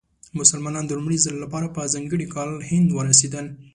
مسلمانان د لومړي ځل لپاره په ځانګړي کال هند ورسېدل.